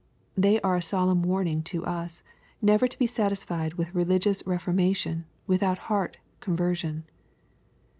They are a solemn warning to us, never to be sat isfied with religious reformation without heart conversion.